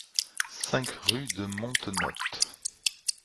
cinq rue de Montenotte